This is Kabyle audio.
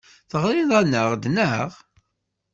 Teɣriḍ-aneɣ-d, naɣ?